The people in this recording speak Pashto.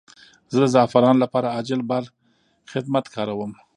زه د زعفرانو لپاره عاجل بار خدمت کاروم.